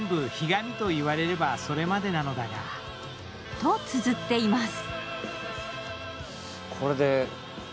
とつづっています。